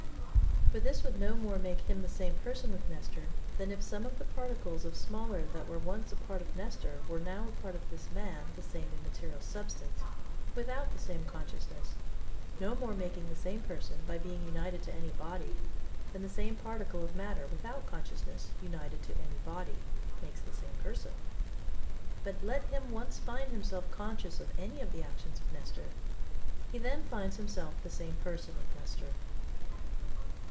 For this would no more make him the same person with Nestor, than if some of the particles of smaller that were once a part of Nestor were now a part of this man the same immaterial substance, without the same consciousness, no more making the same person, by being united to any body, than the same particle of matter, without consciousness, united to any body, makes the same person. But let him once find himself conscious of any of the actions of Nestor, he then finds himself the same person with Nestor.